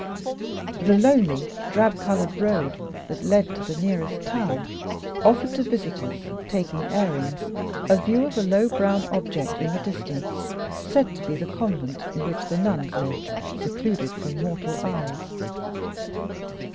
The lonely drab colored road that led to the nearest town offered to visitors, taking airings, a view of a low brown object in the distance, said to be the convent in which the Nuns lived, secluded from mortal eyes.